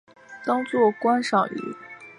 可当作观赏鱼。